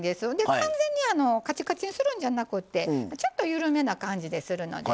完全にカチカチにするんじゃなくてちょっと緩めな感じでするのでね。